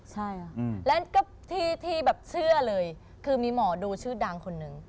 ใช่ค่ะแล้วก็ที่แบบเชื่อเลยคือมีหมอดูชื่อดังคนนึง